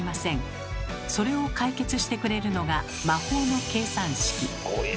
それを解決してくれるのが魔法の計算式。